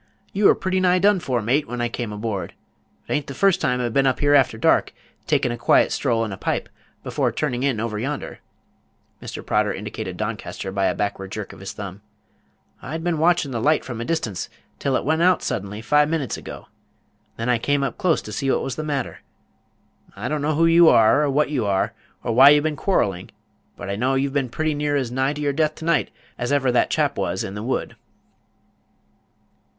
"You were pretty nigh done for, mate, when I came aboard. It a'n't the first time I've been up here after dark, takin' a quiet stroll and a pipe, before turning in over yonder" Mr. Prodder indicated Doncaster by a backward jerk of his thumb. "I'd been watchin' the light from a distance, till it went out suddenly five minutes ago, and then I came up close to see what was the matter. I don't know who you are, or what you are, or why you've been quarrelling; but I know you've been pretty near as nigh your death to night as ever that chap was in the wood."